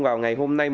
vào ngày hôm nay